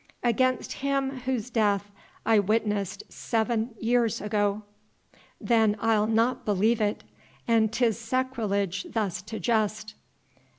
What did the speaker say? "Against Him Whose death I witnessed seven years ago." "Then I'll not believe it. And 'tis sacrilege thus to jest."